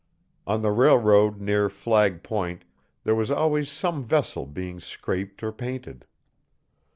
On the railroad near Flag Point there was always some vessel being scraped or painted.